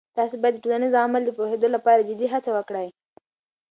تاسې باید د ټولنیز عمل د پوهیدو لپاره جدي هڅه وکړئ.